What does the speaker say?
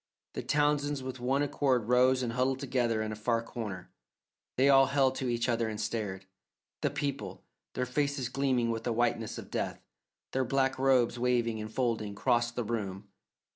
The Townsends with one accord rose and huddled together in a far corner; they all held to each other and stared. The people, their faces gleaming with a whiteness of death, their black robes waving and folding, crossed the room.